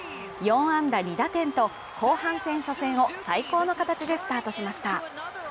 ４安打２打点と後半戦初戦を最高の形でスタートしました。